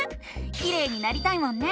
きれいになりたいもんね！